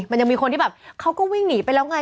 มันยังมีคนที่แบบเขาก็วิ่งหนีไปแล้วไง